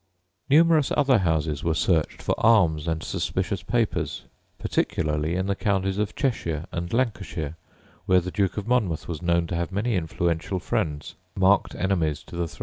] Numerous other houses were searched for arms and suspicious papers, particularly in the counties of Cheshire and Lancashire, where the Duke of Monmouth was known to have many influential friends, marked enemies to the throne.